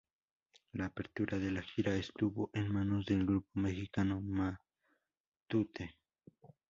La apertura de la gira estuvo en manos del grupo mexicano Matute.